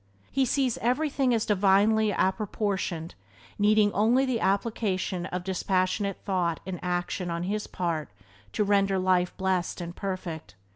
He sees everything as divinely apportioned, needing only the application of dispassionate thought and action on his part to render life blessed and perfect.